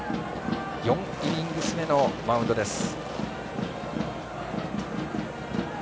４イニングス目のマウンドです。